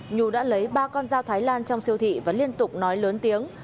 nhu đã lấy ba con dao thái lan trong siêu thị và liên tục nói lớn tiếng